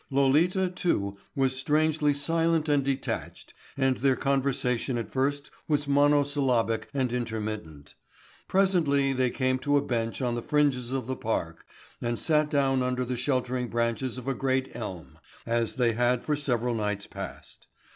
Lolita, too, was strangely silent and detached and their conversation at first was mono syllabic and intermittent. Presently they came to a bench on the fringes of the park and sat down under the sheltering branches of a great elm, as they had for several nights past.